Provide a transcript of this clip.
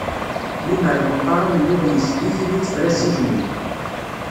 Limmer meqqar amennuɣ yezdi tili tefra zik-nni.